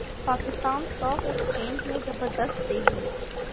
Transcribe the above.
Pakistan stock exchange میں زبردست تیزی